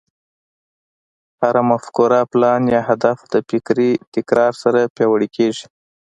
هره مفکوره، پلان، يا هدف د فکري تکرار سره پياوړی کېږي.